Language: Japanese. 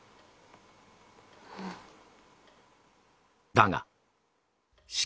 だが。